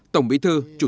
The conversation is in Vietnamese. tổng bí thư